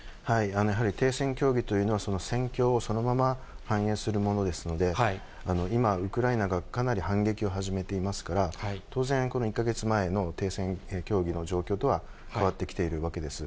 やはり停戦協議というのは、戦況をそのまま反映するものですので、今、ウクライナがかなり反撃を始めていますから、当然この１か月前の停戦協議の状況とは変わってきているわけです。